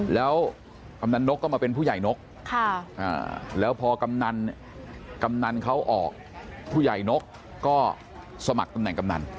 แล้วกำนันนกก็มาเป็นผู้ใหญ่นกแล้วพอกำนันเขาออกผู้ใหญ่นกก็สมัครตำแหน่งกำนัน